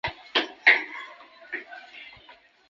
无法以佃农身分参加农保